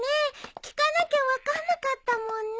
聞かなきゃ分かんなかったもんね。